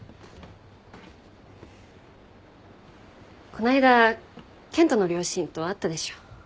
こないだ健人の両親と会ったでしょ？